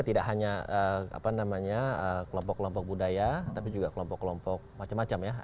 tidak hanya kelompok kelompok budaya tapi juga kelompok kelompok macam macam ya